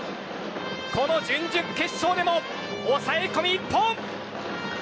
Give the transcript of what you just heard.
この準々決勝でも抑え込み一本！